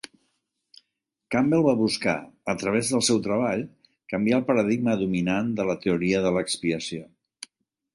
Campbell va buscar, a través del seu treball, canviar el paradigma dominant de la teoria de l'expiació.